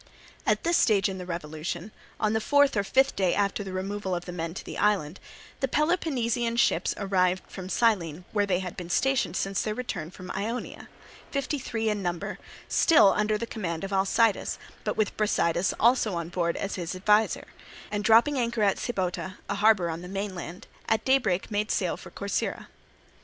At this stage in the revolution, on the fourth or fifth day after the removal of the men to the island, the Peloponnesian ships arrived from Cyllene where they had been stationed since their return from Ionia, fifty three in number, still under the command of Alcidas, but with Brasidas also on board as his adviser; and dropping anchor at Sybota, a harbour on the mainland, at daybreak made sail for Corcyra.